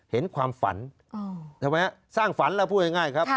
เห็นความฝันทำไมครับสร้างฝันแล้วพูดง่ายครับ